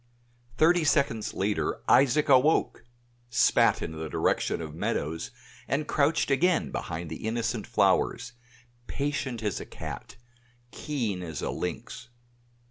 Thirty seconds later Isaac awoke! spat in the direction of Meadows, and crouched again behind the innocent flowers, patient as a cat, keen as a lynx.